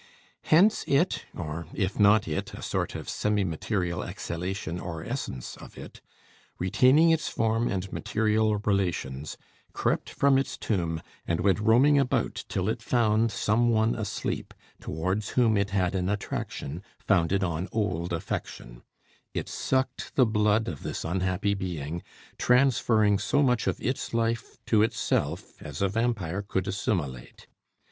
Hence it, or, if not it, a sort of semi material exhalation or essence of it, retaining its form and material relations, crept from its tomb, and went roaming about till it found some one asleep, towards whom it had an attraction, founded on old affection. It sucked the blood of this unhappy being, transferring so much of its life to itself as a vampire could assimilate.